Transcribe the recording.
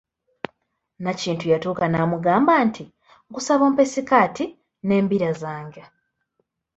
Nakintu yatuuka n'amugamba nti, nkusaba ompe sikaati n'embira zange.